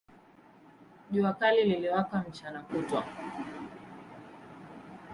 Jua kali liliwaka mchana kutwa.